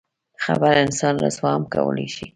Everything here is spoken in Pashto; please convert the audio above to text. خبره انسان رسوا هم کولی شي.